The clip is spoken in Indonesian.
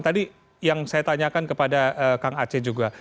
tadi yang saya tanyakan kepada kang aceh juga